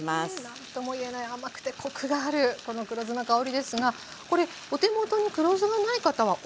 何ともいえない甘くてコクがあるこの黒酢の香りですがこれお手元に黒酢がない方はお酢でもいいですかね？